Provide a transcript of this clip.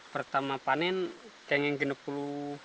pertama panen mau enam puluh empat kilo